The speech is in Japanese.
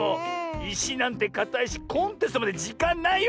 いしなんてかたいしコンテストまでじかんないよ。